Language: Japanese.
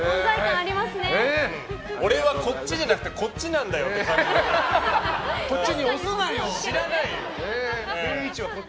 俺はこっちじゃなくてこっちに押すなよって。